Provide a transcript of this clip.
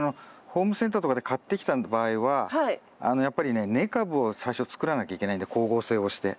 ホームセンターとかで買ってきた場合はやっぱりね根株を最初作らなきゃいけないんで光合成をして。